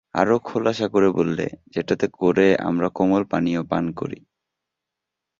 আরও খোলাসা করে বললে, যেটাতে করে আমরা কোমল পানীয় পান করি।